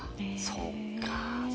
そっか。